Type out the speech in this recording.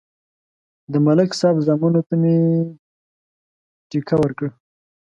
د ملک صاحب زامنو ته مې ټېکه ورکړه.